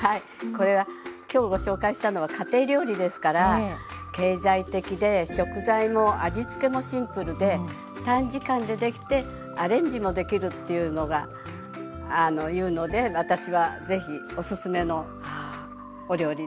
これは今日ご紹介したのは家庭料理ですから経済的で食材も味付けもシンプルで短時間で出来てアレンジもできるっていうのがいうので私は是非おすすめのお料理です。